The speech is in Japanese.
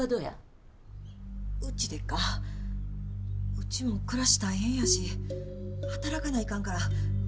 うちも暮らし大変やし働かないかんから。